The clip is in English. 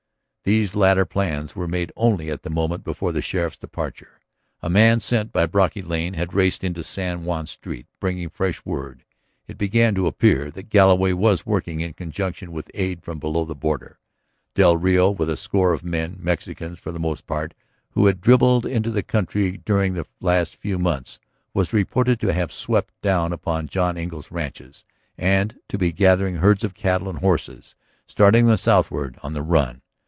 These latter plans were made only at the moment before the sheriff's departure. A man sent by Brocky Lane had raced into San Juan's street, bringing fresh word. It began to appear that Galloway was working in conjunction with aid from below the border. Del Rio with a score of men, Mexicans for the most part who had dribbled into the county during the last few months, was reported to have swept down upon John Engle's ranches, and to be gathering herds of cattle and horses, starting them southward on the run.